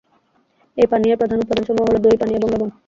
এই পানীয়ের প্রধান উপাদানসমূহ হল দই, পানি এবং লবণ।